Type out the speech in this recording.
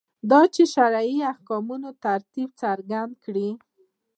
دا چې شرعي احکامو ترتیب څرګند کړي.